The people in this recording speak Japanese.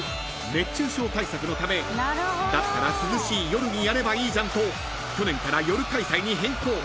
熱中症対策のためだったら涼しい夜にやればいいじゃんと去年から夜開催に変更］